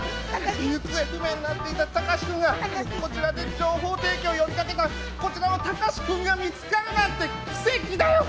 行方不明になっていたタカシくんがこちらで情報提供を呼びかけたこちらのタカシくんが見つかるなんて奇跡だよ